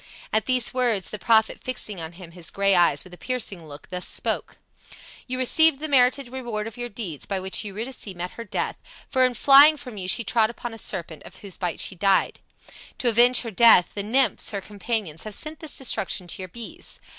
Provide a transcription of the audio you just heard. At these words the prophet, fixing on him his gray eyes with a piercing look, thus spoke: "You receive the merited reward of your deeds, by which Eurydice met her death, for in flying from you she trod upon a serpent, of whose bite she died. To avenge her death, the nymphs, her companions, have sent this destruction to your bees.